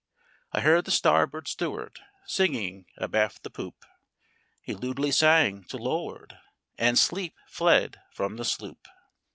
I heard the starboard steward Singing abaft the poop; He lewdly sang to looard And sleep fled from the sloop.